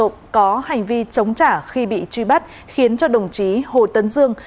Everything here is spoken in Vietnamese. cơ quan tổ tụng xác định hành vi chống trả khi bị truy bắt khiến cho đồng chí hồ tấn dương